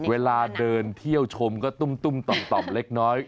เวลาเดินเที่ยวชมก็ตุ้มต่อมเล็กน้อย